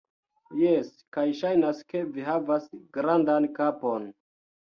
Jes, kaj ŝajnas ke vi havas grandan kapon